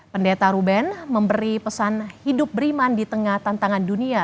pendeta ruben memberi pesan hidup beriman di tengah tantangan dunia